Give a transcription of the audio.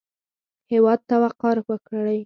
هېواد ته وقار ورکړئ